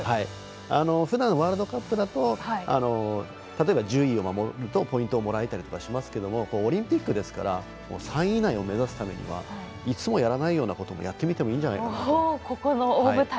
ふだんワールドカップだと例えば、順位を守るとポイントがもらえたりしますけどオリンピックですから３位以内を目指すためにはいつもやらないようなことをやってみてもいいんじゃないかなと。